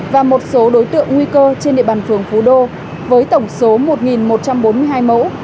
và một số đối tượng nguy cơ trên địa bàn phường phú đô với tổng số một một trăm bốn mươi hai mẫu